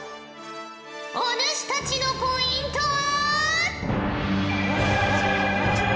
お主たちのポイントは。